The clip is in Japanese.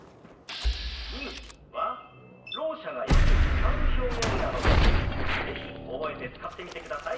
「意味」はろう者がよく使う表現なので是非覚えて使ってみてください。